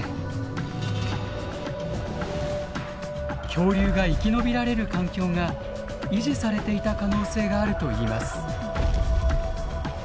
恐竜が生き延びられる環境が維持されていた可能性があるといいます。